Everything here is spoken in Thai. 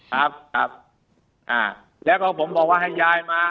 ครับครับมาแล้วก็ผมบอกว่าอย